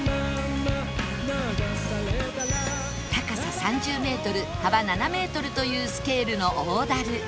高さ３０メートル幅７メートルというスケールの大滝